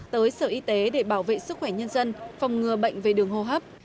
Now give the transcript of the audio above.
tới sở y tế để bảo vệ sức khỏe nhân dân phòng ngừa bệnh về đường hô hấp